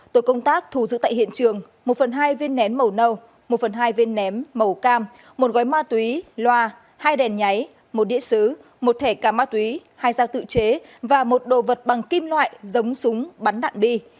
tổ công tác thù giữ tại hiện trường một phần hai viên nén màu nâu một phần hai viên ném màu cam một gói ma túy loa hai đèn nháy một đĩa xứ một thẻ cà ma túy hai dao tự chế và một đồ vật bằng kim loại giống súng bắn đạn bi